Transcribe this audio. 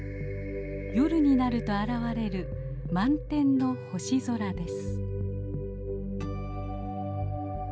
夜になると現れる満天の星空です。